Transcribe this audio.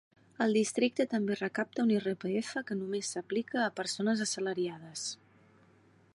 El districte també recapta un IRPF que només s'aplica a persones assalariades.